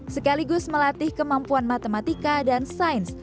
sekaligus melatih kemampuan matematika dan sains